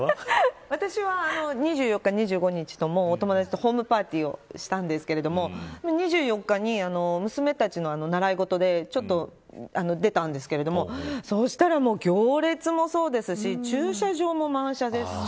私は、２４日、２５日どっちもお友達とホームパーティーをしたんですけど２４日に娘たちの習い事でちょっと出たんですけどそしたら、行列もそうですし駐車場も満車ですし。